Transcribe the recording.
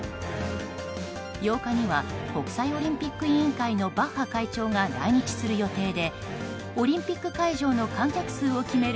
８日には国際オリンピック委員会のバッハ会長が来日する予定でオリンピック会場の観客数を決める